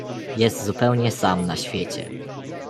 "Jest zupełnie sam na świecie."